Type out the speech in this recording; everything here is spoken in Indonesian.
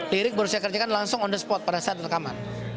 lirik baru saya kerjakan langsung on the spot pada saat rekaman